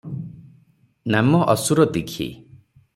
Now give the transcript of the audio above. ନାମ ଅସୁର ଦୀଘି ।